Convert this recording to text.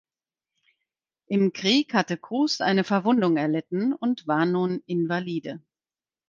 Im Krieg hatte Cruz eine Verwundung erlitten und war nun Invalide.